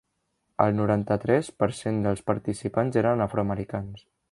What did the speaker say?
El noranta-tres per cent dels participants eren afroamericans.